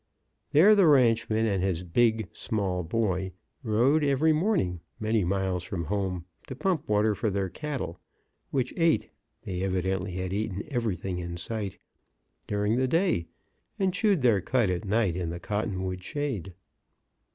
There the ranchman and his big small boy rode every morning many miles from home to pump water for their cattle, which ate (they evidently had eaten everything in sight) during the day, and chewed their cud at night in the cottonwood shade.